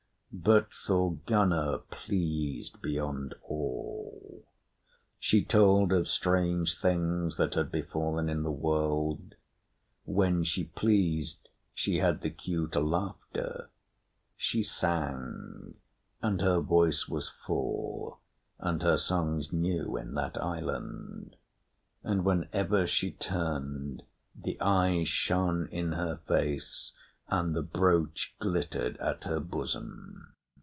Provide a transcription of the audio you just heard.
But Thorgunna pleased beyond all; she told of strange things that had befallen in the world; when she pleased she had the cue to laughter; she sang, and her voice was full and her songs new in that island; and whenever she turned, the eyes shone in her face and the brooch glittered at her bosom.